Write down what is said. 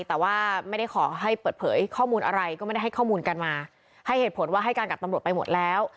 แต่ว่าไม่ได้ขอให้เปิดเผยข้อมูลอะไรก็ไม่ได้ให้ข้อมูลกันมาให้เหตุผลว่าให้การกับตำรวจไปหมดแล้ว